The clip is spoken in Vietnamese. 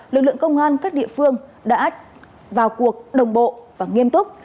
lực lượng công an các địa phương đã vào cuộc đồng bộ và nghiêm túc